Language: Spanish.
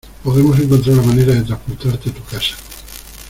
Podremos encontrar la manera de transportarte a tu casa.